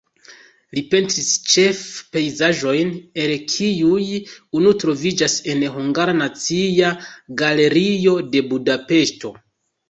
Li pentris ĉefe pejzaĝojn, el kiuj unu troviĝas en Hungara Nacia Galerio de Budapeŝto.